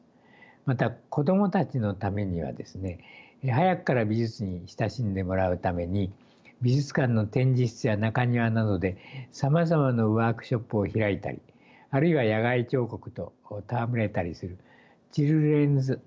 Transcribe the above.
また子供たちのためにはですね早くから美術に親しんでもらうために美術館の展示室や中庭などでさまざまなワークショップを開いたりあるいは野外彫刻と戯れたりするチルドレンズ・アート・ミュージアムを